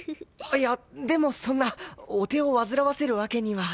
いやでもそんなお手を煩わせるわけには。